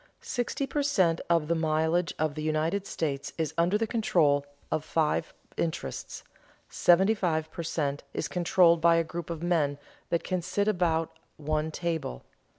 Sixty per cent. of the mileage of the United States is under the control of five interests; seventy five per cent. is controlled by a group of men that can sit about one table.